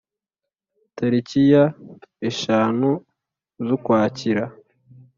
Tariki ya eshanu z’Ukwakira